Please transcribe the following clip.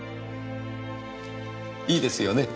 いいですよね？